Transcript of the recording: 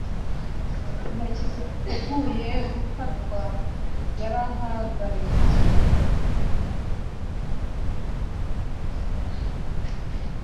Intoki ziteguye gufatwa yarahagaritswe